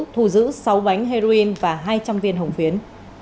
thu giữ sáu bánh heroin và hai trăm linh viên hồng phiến